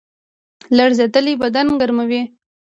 لړزیدل بدن ګرموي